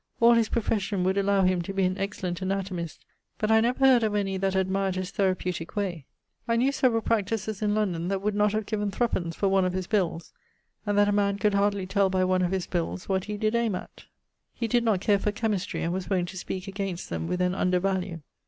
All his profession would allowe him to be an excellent anatomist, but I never heard of any that admired his therapeutique way. I knew severall practisers in London that would not have given 3_d._ for one of his bills; and that a man could hardly tell by one of his bills what he did aime at. He did not care for chymistrey, and was wont to speake against them with an undervalue.